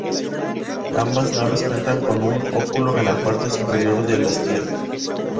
Ambas naves cuentan con un óculo en la parte superior del hastial.